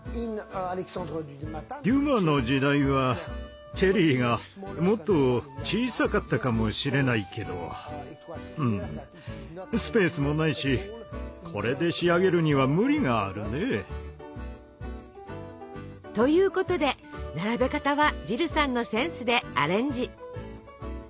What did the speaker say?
デュマの時代はチェリーがもっと小さかったかもしれないけどスペースもないしこれで仕上げるには無理があるね。ということで並べ方はジルさんのセンスでアレンジ。